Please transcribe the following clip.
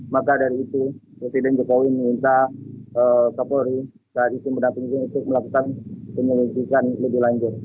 maka dari itu presiden jokowi minta kapolri dari tim pendampingi untuk melakukan penyelidikan lebih lanjut